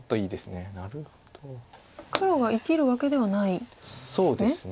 黒が生きるわけではないんですね。